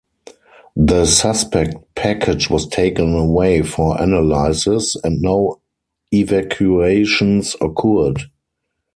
The suspect package was taken away for analysis and no evacuations occurred.